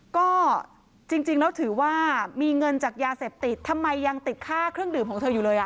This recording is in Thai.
ก็จริงแล้วถือว่ามีเงินจากยาเสพติดทำไมยังติดค่าเครื่องดื่มของเธออยู่เลย